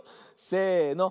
せの。